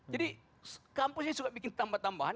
jadi kampusnya suka bikin tambahan tambahan